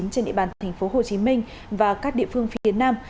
trên địa bàn tp hcm và các địa phương phía nam